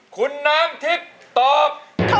คุณน้ำทิพย์ตอบ